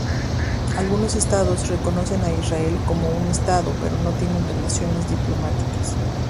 Algunos estados reconocen a Israel como un estado, pero no tienen relaciones diplomáticas.